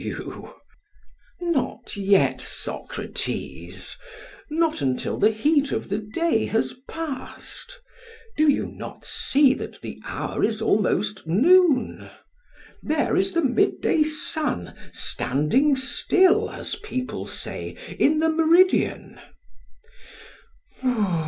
PHAEDRUS: Not yet, Socrates; not until the heat of the day has passed; do you not see that the hour is almost noon? there is the midday sun standing still, as people say, in the meridian.